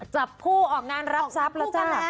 จับผู้ออกงานรับทรัพย์แล้วจ้ะ